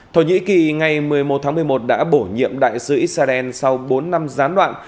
thổ nhĩ kỳ ngày một mươi một tháng một mươi một đã bổ nhiệm đại sứ israel sau bốn năm gián đoạn